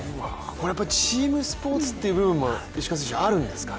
これはチームスポーツという部分もあるんですかね。